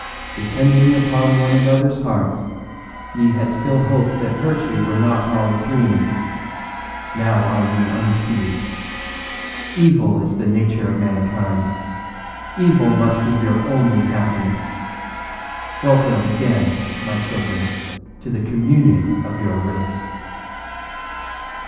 âDepending upon one anotherâs hearts, ye had still hoped that virtue were not all a dream. Now are ye undeceived. Evil is the nature of mankind. Evil must be your only happiness. Welcome again, my children, to the communion of your race.